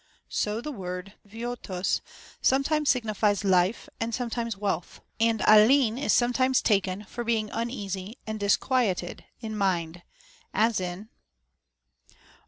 So the word βίοτος sometimes signi fies life, and sometimes wealth. And άλνβιν is sometimes taken for being uneasy and disquieted in mind, as in "Ώ.